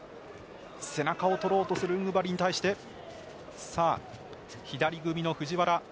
背中を取ろうとするウングバリに対して左組みの藤原。